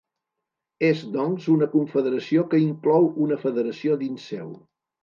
És, doncs, una confederació que inclou una federació dins seu.